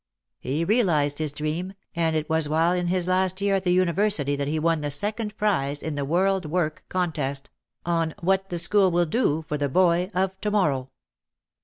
He realised his dream, and it was while in his last year at the university that he won the second prize in the "World Work" contest on "What the School Will Do for the Boy of To morrow."